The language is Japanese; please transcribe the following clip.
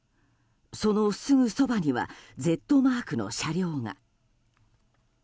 そのすぐそばにはＺマークの車両が。